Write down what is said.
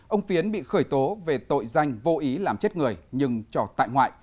ông phiến bị khởi tố về tội danh vô ý làm chết người nhưng cho tại ngoại